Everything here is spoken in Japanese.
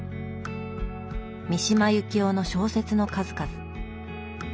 三島由紀夫の小説の数々。